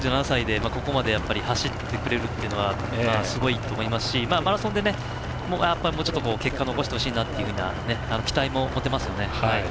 ３７歳でここまで走ってくれるというのはすごいと思いますしマラソンでもうちょっと結果残してほしいなっていう期待も持てますね。